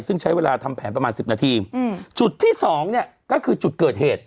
ซึ่งใช้เวลาทำแผนประมาณสิบนาทีจุดที่สองเนี่ยก็คือจุดเกิดเหตุ